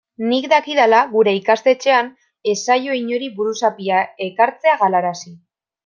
Nik dakidala gure ikastetxean ez zaio inori buruzapia ekartzea galarazi.